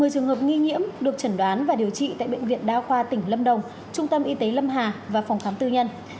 một mươi trường hợp nghi nhiễm được chẩn đoán và điều trị tại bệnh viện đa khoa tỉnh lâm đồng trung tâm y tế lâm hà và phòng khám tư nhân